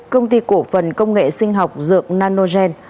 công ty cổ phần công nghệ sinh học dược nanogen